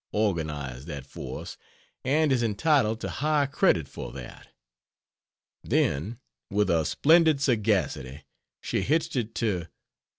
organized that force, and is entitled to high credit for that. Then, with a splendid sagacity she hitched it to...